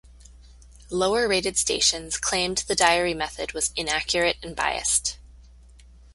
Lower-rated stations claimed the diary method was inaccurate and biased.